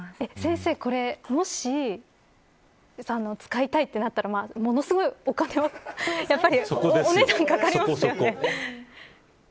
先生、これもし、使いたいとなったらものすごいお金はやっぱりお値段かかりますよね。